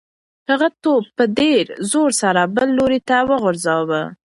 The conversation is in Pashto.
هغه توپ په ډېر زور سره بل لوري ته وغورځاوه.